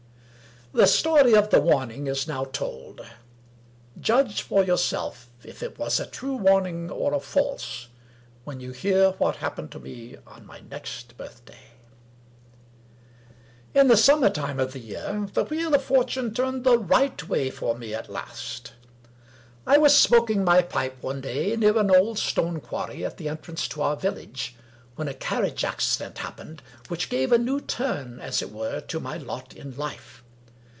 VII The story of the warning is now told. Judge for your self if it was a true warning or a false, when you hear what happened to me on my next birthday. In the Summer time of the year, the Wheel of Fortune 235 English Mystery Stories turned the right way for me at last. I was smoking my pipe one day, near an old stone quarry at the entrance to our village, when a carriage accident happened, which gave a new turn, as it were, to my lot in hfe.